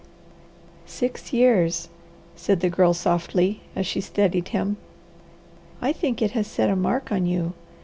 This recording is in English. "Six years," said the Girl softly, as she studied him. "I think it has set a mark on you.